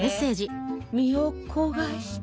「身を焦がして」。